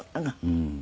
うん。